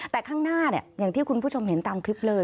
แต่ข้างหน้าอย่างที่คุณผู้ชมเห็นตามคลิปเลย